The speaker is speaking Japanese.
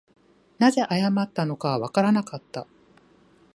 何故謝ったのかはわからなかった